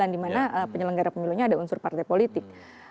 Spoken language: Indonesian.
dimana penyelenggara pemilunya ada unsur partai politik